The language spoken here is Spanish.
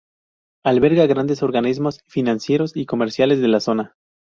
Alberga grandes organismos financieros y comerciales de la zona.